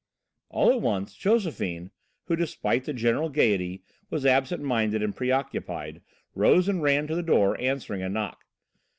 All at once, Josephine, who, despite the general gaiety, was absent minded and preoccupied, rose and ran to the door, answering a knock.